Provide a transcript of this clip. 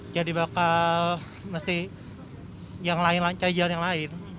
jadi bakal mesti yang lain cari jalan yang lain